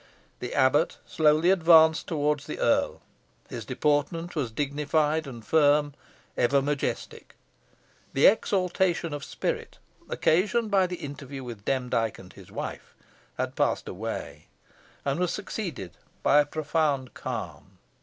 The abbot slowly advanced towards the earl. His deportment was dignified and firm, even majestic. The exaltation of spirit, occasioned by the interview with Demdike and his wife, had passed away, and was succeeded by a profound calm.